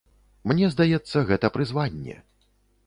Мне здаецца, гэта прызванне.